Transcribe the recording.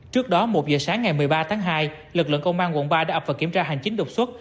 trước đó một giờ sáng ngày một mươi ba tháng hai lực lượng công an quận ba đã ập vào kiểm tra hành chính đột xuất